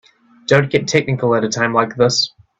Don't get technical at a time like this.